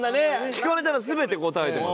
聞かれたら全て答えてます。